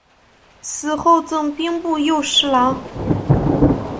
死后赠兵部右侍郎。